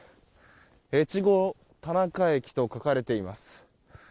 越後田中駅と書かれています。